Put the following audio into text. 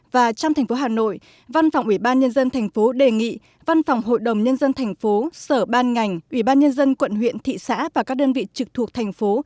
và trong tp hà nội văn phòng ubnd tp đề nghị văn phòng hội đồng nhân dân tp sở ban ngành ubnd quận huyện thị xã và các đơn vị trực thuộc thành phố